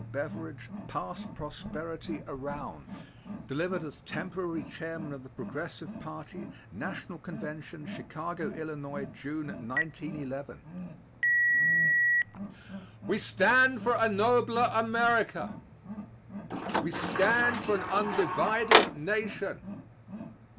BEVERIDGE_ PASS PROSPERITY AROUND Delivered as Temporary Chairman of Progressive National Convention, Chicago, Ill., June, 1911. We stand for a nobler America. We stand for an undivided Nation.